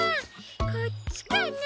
こっちかな？